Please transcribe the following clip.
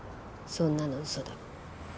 「そんなの嘘だ」